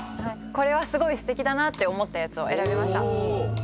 これはすごいすてきだなって思ったやつを選びました。